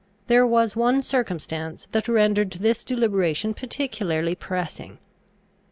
There was one circumstance that rendered this deliberation particularly pressing.